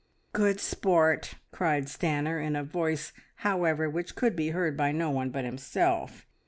"Good sport!" cried Stanor, in a voice, however, which could be heard by no one but himself.